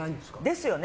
ですよね。